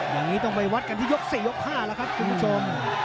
อย่างนี้ต้องไปวัดกันที่ยก๔ยก๕แล้วครับคุณผู้ชม